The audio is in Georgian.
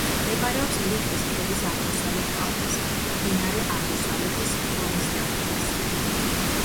მდებარეობს ლიხის ქედის აღმოსავლეთ კალთაზე, მდინარე აღმოსავლეთის ფრონის ნაპირას.